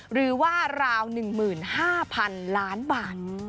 หรือว่าราว๑๕๐๐๐ล้านบาท